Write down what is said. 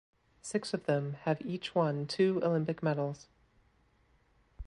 Six of them have each won two Olympic medals.